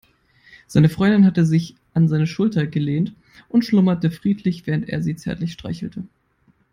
Seine Freundin hatte sich an seine Schulter gelehnt und schlummerte friedlich, während er sie zärtlich streichelte.